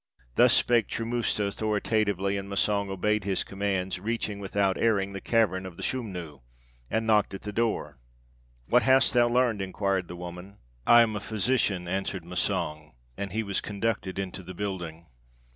"Thus spake Churmusta authoritatively, and Massang obeyed his commands; reached, without erring, the cavern of the Schumnu, and knocked at the door. 'What hast thou learned?' inquired the woman. 'I am a physician,' answered Massang; and he was conducted into the building.